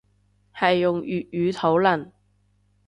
係用粵語討論